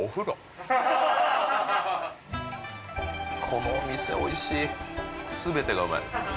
このお店おいしいすべてがうまい